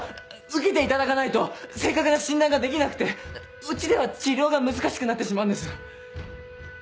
受けていただかないと正確な診断ができなくてうちでは治療が難しくなってしまうんです。